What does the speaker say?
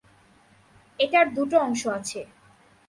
এটার দুটো অংশ আছে।